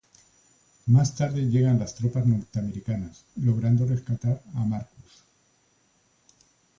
Más tarde llegan las tropas norteamericanas logrando rescatar a Marcus.